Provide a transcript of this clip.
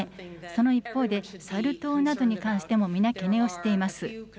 その一方で、サル痘などに関してもみな懸念をしています。